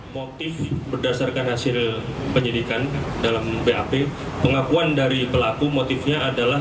motif berdasarkan hasil penyidikan dalam bap pengakuan dari pelaku motifnya adalah